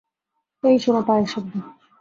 ওই শোনো পায়ের শব্দ।